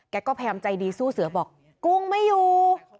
ก็พยายามใจดีสู้เสือบอกกุ้งไม่อยู่